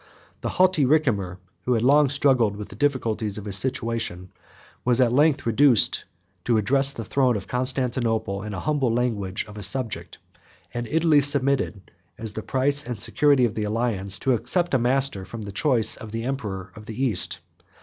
The haughty Ricimer, who had long struggled with the difficulties of his situation, was at length reduced to address the throne of Constantinople, in the humble language of a subject; and Italy submitted, as the price and security of the alliance, to accept a master from the choice of the emperor of the East.